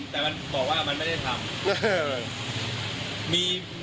แต่มันบอกว่ามันไม่ได้ทำ